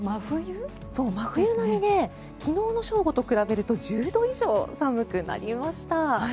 真冬並みで昨日の正午と比べると１０度以上寒くなりました。